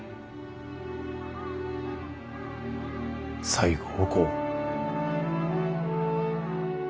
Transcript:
西郷公。